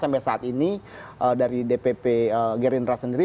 sampai saat ini dari dpp gerindra sendiri